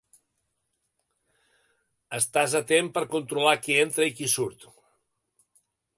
Estàs atent per controlar qui entra i qui surt.